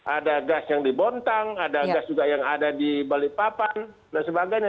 ada gas yang dibontang ada gas juga yang ada di balikpapan dan sebagainya